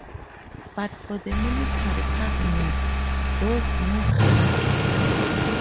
But for the Military Cabinet, those moves were not enough.